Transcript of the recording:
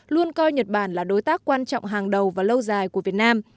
luôn coi nhật bản là đối tác quan trọng hàng đầu và lâu dài của việt nam